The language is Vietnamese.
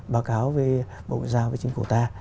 báo cáo với bộ ngoại giao với chính phủ ta